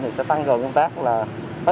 thì sẽ tăng gần công tác tấn công tội phạm